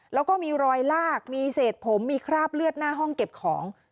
แล้วก็มีรอยลากมีเศษผมมีคราบเลือดหน้าห้องเก็บของ